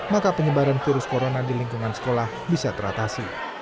maka penyebaran virus corona di lingkungan sekolah bisa teratasi